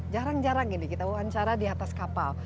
jarang jarang ini kita wawancara di atas kapal